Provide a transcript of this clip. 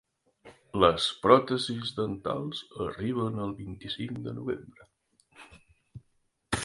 Les pròtesis dentals arriben el vint-i-cinc de novembre.